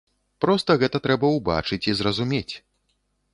Проста гэта трэба ўбачыць і зразумець.